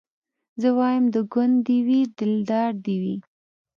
زه وايم د ګوند دي وي دلدار دي وي